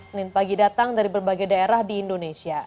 senin pagi datang dari berbagai daerah di indonesia